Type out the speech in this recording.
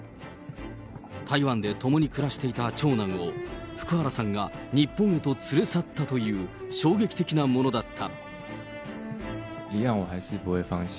台湾で共に暮らしていた長男を福原さんが日本へと連れ去ったという衝撃的なものだった。